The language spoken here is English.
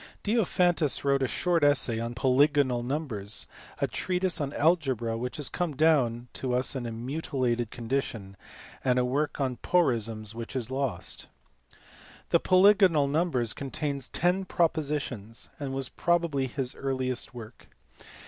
Diophantus wrote a short essay on polygonal numbers ; a treatise on algebra which has come down to us in a mutilated condition ; and a work on porisms which is lost. The Polygonal Numbers contains ten propositions, and was probably his earliest work.